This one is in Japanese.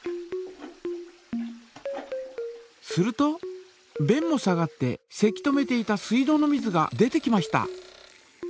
するとべんも下がってせき止めていた水道の水が出てきました。